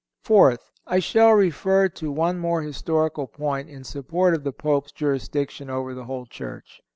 Fourth—I shall refer to one more historical point in support of the Pope's jurisdiction over the whole Church.